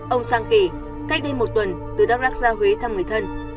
ông sang kể cách đây một tuần từ dark lake ra huế thăm người thân